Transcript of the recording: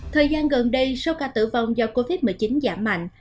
thời gian gần đây số ca tử vong do covid một mươi chín giảm mạnh